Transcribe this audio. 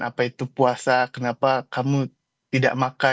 apa itu puasa kenapa kamu tidak makan